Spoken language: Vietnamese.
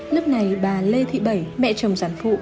lúc này bà lê thị bảy mẹ chồng sản phụ